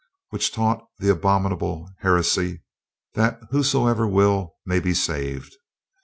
"Which taught the abominable heresy that who soever will, may be saved.